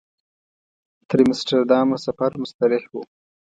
تر امسټرډامه سفر مستریح و.